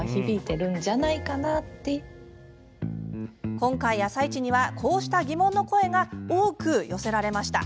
今回「あさイチ」にはこうした疑問の声が多く寄せられました。